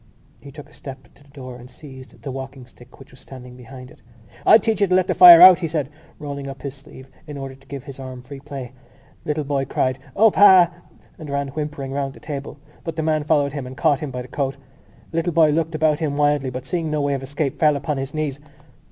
He took a step to the door and seized the walking stick which was standing behind it. "I'll teach you to let the fire out!" he said, rolling up his sleeve in order to give his arm free play. The little boy cried "O, pa!" and ran whimpering round the table, but the man followed him and caught him by the coat. The little boy looked about him wildly but, seeing no way of escape, fell upon his knees.